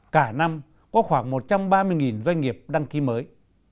cả năm có khoảng một trăm ba mươi doanh nghiệp đăng ký mới